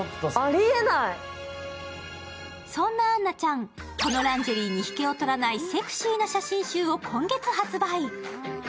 そんな杏奈ちゃん、このランジェリーに引けをとらないセクシーな写真集を今月発売。